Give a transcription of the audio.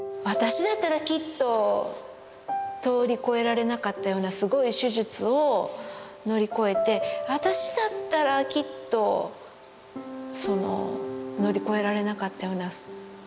私だったらきっと通りこえられなかったようなすごい手術を乗り越えて私だったらきっとその乗り越えられなかったような。